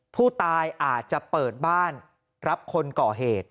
ผู้ตายอาจจะเปิดบ้านรับคนก่อเหตุ